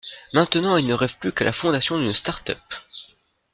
Maintenant, ils ne rêvent plus qu'à la fondation d'une start-up.